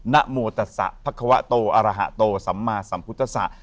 นโมตสะพระควะโตอรหะโตสัมมาสัมพุทธศะ